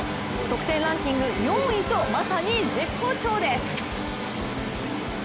得点ランキング４位とまさに絶好調です。